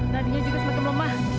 jantungnya juga semakin lemah